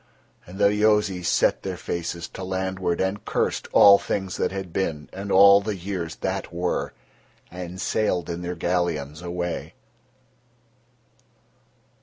And the Yozis set their faces to landward, and cursed all things that had been and all the years that were, and sailed in their galleons away.